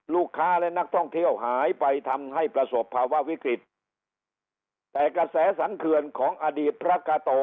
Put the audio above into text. ลูกค้าและนักท่องเที่ยวหายไปทำให้ประสบภาวะวิกฤตแต่กระแสสรรเขื่อนของอดีตพระกาโต